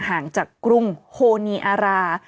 ห่างจากกรุงโฮนีอารา